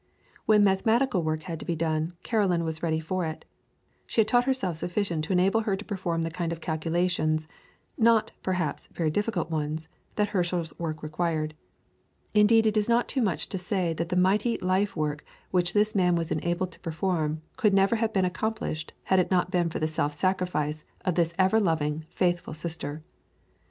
When mathematical work had to be done Caroline was ready for it; she had taught herself sufficient to enable her to perform the kind of calculations, not, perhaps, very difficult ones, that Herschel's work required; indeed, it is not too much to say that the mighty life work which this man was enabled to perform could never have been accomplished had it not been for the self sacrifice of this ever loving and faithful sister.